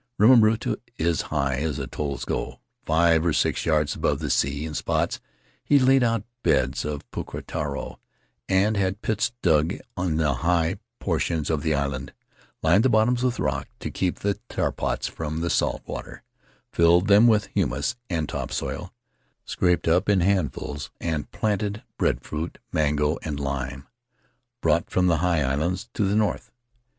Rimarutu is high, as atolls go — five or six yards above the sea in spots; he laid out beds of jpuraka taro, and had pits dug on the high por tions of the island, lined the bottoms with rock to keep the taproots from salt water, filled them with humus and topsoil — scraped up in handfuls — and planted breadfruit, mango, and lime, brought from the high islands to the north.